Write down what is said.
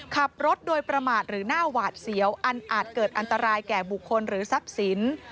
ขับรถโดยประมาทหรือหน้าหวาดเสียวอันอาจเกิดอันตรายแก่บุคคลหรือทรัพย์สิน